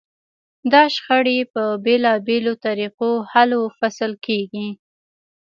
دا شخړې په بېلابېلو طریقو حل و فصل کېږي.